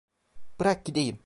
Bırak gideyim!